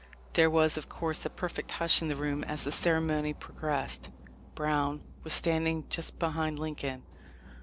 There was, of course, a perfect hush in the room as the ceremony progressed. Brown was standing just behind Lincoln.